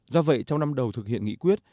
do vậy trong năm đầu thực hiện nghị quyết